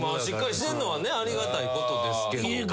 しっかりしてるのはねありがたいことですけど。